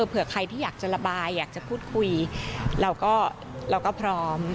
เผื่อใครที่อยากจะระบายอยากจะพูดคุยเราก็พร้อม